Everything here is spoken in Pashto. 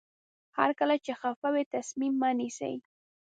هر کله چې خفه وئ تصمیم مه نیسئ.